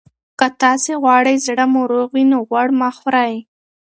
که تاسي غواړئ زړه مو روغ وي، نو غوړ مه خورئ.